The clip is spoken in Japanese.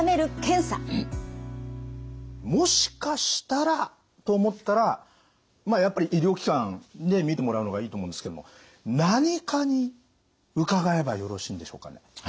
もしかしたらと思ったらやっぱり医療機関で診てもらうのがいいと思うんですけども何科に伺えばよろしいんでしょうかね？